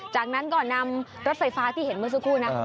จากนั้นก็นำรถไฟฟ้าที่เห็นเมื่อสักครู่นะ